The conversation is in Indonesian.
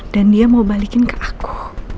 dia mau balikin ke aku